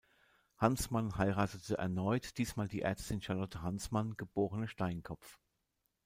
Hansmann heiratete erneut, diesmal die Ärztin Charlotte Hansmann, geborene Steinkopf.